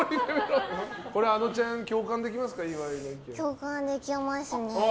これは、あのちゃん共感できますか？